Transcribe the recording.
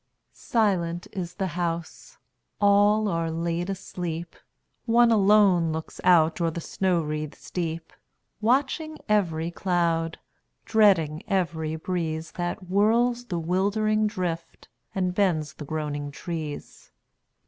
Silent is the house: all are laid asleep: One alone looks out o'er the snow wreaths deep, Watching every cloud, dreading every breeze That whirls the wildering drift, and bends the groaning trees.